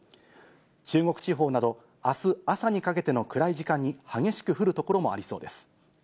中国地方などあす朝にかけての暗い時間に激しく降る所もありそうです。